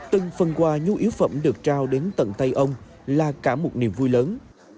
từng phần quà nhu yếu phẩm được trao đến tận tay ông là cả một niềm vui lớn